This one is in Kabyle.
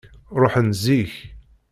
Ṛuḥen zik.